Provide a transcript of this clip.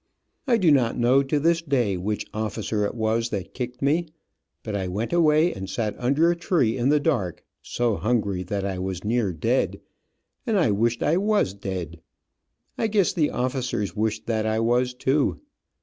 I do not know to this day, which officer it was that kicked me, but I went away and sat under a tree in the dark, so hungry that I was near dead, and I wished I was dead. I guess the officers wished that I was, too.